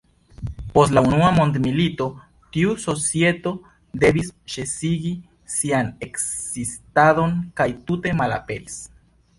Post la Unua Mondmilito tiu societo devis ĉesigi sian ekzistadon kaj tute malaperis.